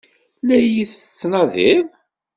La iyi-tettnadiḍ?